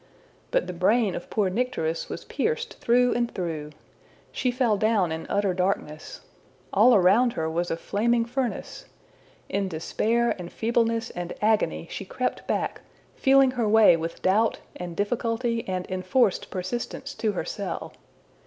But the brain of poor Nycteris was pierced through and through. She fell down in utter darkness. All around her was a flaming furnace. In despair and feebleness and agony, she crept back, feeling her way with doubt and difficulty and enforced persistence to her cell.